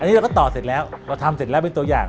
เราก็ต่อเสร็จแล้วเราทำเสร็จแล้วเป็นตัวอย่าง